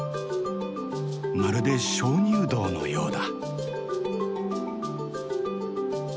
まるで鍾乳洞のようだ。